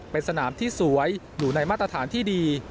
เป็นสนามที่สวยอยู่ในมาตรฐานที่ดี